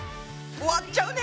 終わっちゃうね！